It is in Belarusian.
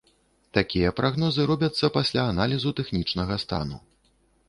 Такія прагнозы робяцца пасля аналізу тэхнічнага стану.